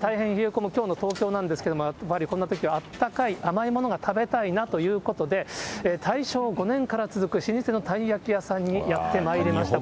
大変冷え込むきょうの東京なんですけれども、やはりこんなときはあったかい、甘いものが食べたいなということで、大正５年から続く老舗の鯛焼き屋さんにやってまいりました。